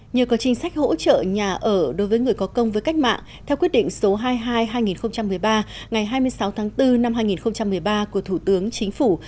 nhờ có chính sách hỗ trợ nhà ở đối với người có công với cách mạng theo quyết định số hai mươi hai hai nghìn một mươi ba ngày hai mươi sáu tháng bốn năm hai nghìn một mươi ba của thủ tướng chính phủ